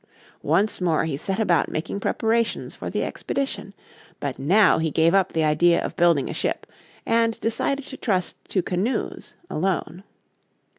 Once more he set about making preparations for the expedition. But now he gave up the idea of building a ship, and decided to trust to canoes alone.